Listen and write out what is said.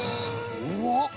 うわっ！